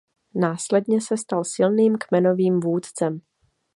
Následně se stal silným kmenovým vůdcem.